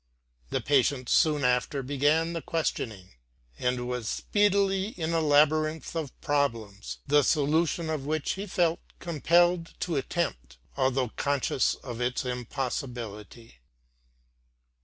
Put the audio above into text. The patient soon after began the questioning1, and was speedily in a labyrinth of problems, the solution of which he felt compelled to attempt, although conscious of its impossibility.